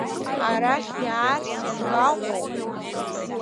Арахь иаарц ианбаҟоу?